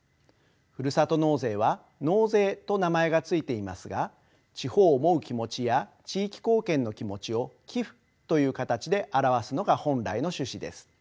ふるさと納税は「納税」と名前が付いていますが地方を思う気持ちや地域貢献の気持ちを「寄付」という形で表すのが本来の趣旨です。